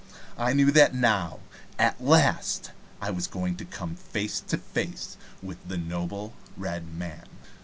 I knew that now, at last, I was going to come face to face with the noble Red Man.